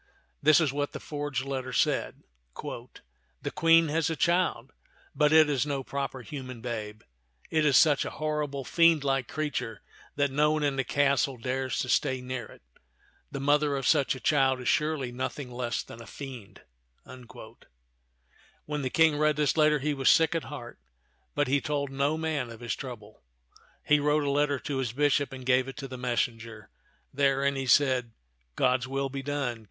This is what the forged letter said :" The Queen has a child, but it is no proper human babe; it is such a horrible, iiendlike creature that no one in the castle dares to stay near it. The mother of such a child is surely nothing less than a fiend." When the King read this letter, he was sick at heart, but he told no man of his trouble. He wrote a letter to his bishop and gave it to the messenger. Therein he said, " God's will be done.